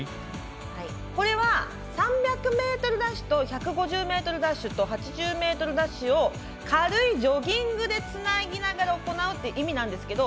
これは、３００ｍダッシュと１５０ｍダッシュと８０ｍダッシュを軽いジョギングでつなぎながら行うっていう意味なんですけど